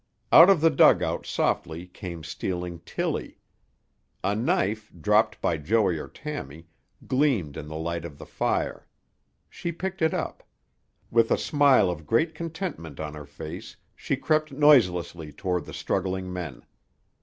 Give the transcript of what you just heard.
Out of the dugout softly came stealing Tillie. A knife, dropped by Joey or Tammy, gleamed in the light of the fire. She picked it up. With a smile of great contentment on her face she crept noiselessly toward the struggling men.